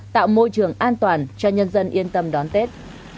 tạo môi trường an toàn cho nhân dân yên tâm đón tết